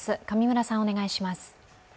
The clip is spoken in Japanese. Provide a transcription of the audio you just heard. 上村さんお願いします。